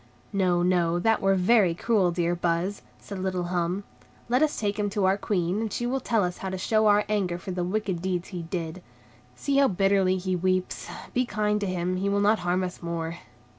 "No, no, that were very cruel, dear Buzz," said little Hum; "let us take him to our Queen, and she will tell us how to show our anger for the wicked deeds he did. See how bitterly he weeps; be kind to him, he will not harm us more."